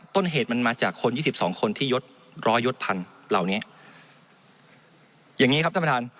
ต้นเหตุมันมาจากคนยี่สิบสองคนที่ยดร้อยยดพันเหล่านี้อย่างงี้ครับท่านประธาน